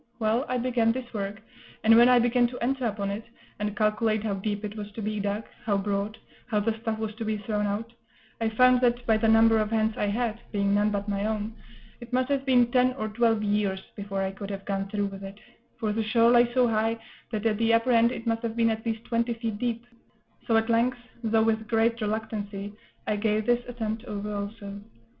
Well, I began this work; and when I began to enter upon it, and calculate how deep it was to be dug, how broad, how the stuff was to be thrown out, I found that, by the number of hands I had, being none but my own, it must have been ten or twelve years before I could have gone through with it; for the shore lay so high, that at the upper end it must have been at least twenty feet deep; so at length, though with great reluctancy, I gave this attempt over also.